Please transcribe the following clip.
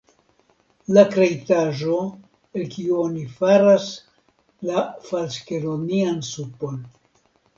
La kreitaĵo, el kiu oni faras la falskelonian supon.